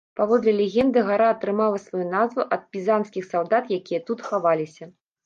Паводле легенды гара атрымала сваю назву ад пізанскіх салдат, якія тут хаваліся.